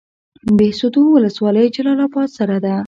بهسودو ولسوالۍ جلال اباد سره ده؟